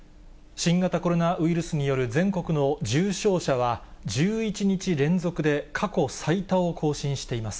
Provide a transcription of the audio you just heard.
新型コロナウイルスによる全国の重症者は、１１日連続で過去最多を更新しています。